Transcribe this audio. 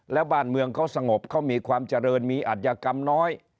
แล้วบ้านเมืองเขาสงบเขามีความเจริญมีอัธยกรรมน้อย